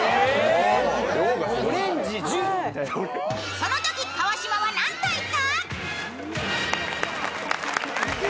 そのとき川島はなんと言った？